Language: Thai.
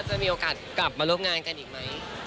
จะมีโอกาสกลับมาร่วมงานกันอีกไหม